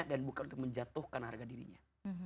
dan bukan untuk menjatuhkan harga dirimu